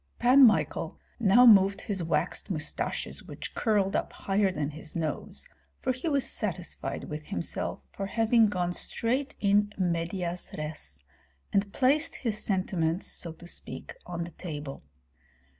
Pan Michael now moved his waxed mustaches, which curled up higher than his nose, for he was satisfied with himself for having gone straight in medias res and placed his sentiments, so to speak, on the table.